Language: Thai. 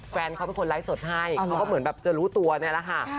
แฟนเขาเป็นคนไลฟ์สดให้เขาก็เหมือนแบบจะรู้ตัวนี่แหละค่ะ